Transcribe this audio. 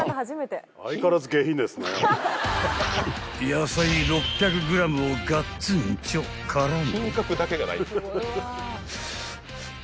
［野菜６００ｇをガッツンチョからの］